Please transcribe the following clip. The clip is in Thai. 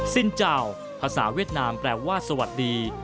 สินเจ้าภาษาเวียดนามแปลว่าสวัสดี